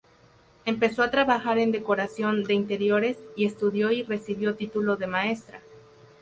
Empezó a trabajar en decoración de interiores, y estudió y recibió título de maestra.